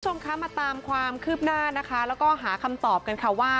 คุณผู้ชมคะมาตามความคืบหน้านะคะแล้วก็หาคำตอบกันค่ะว่า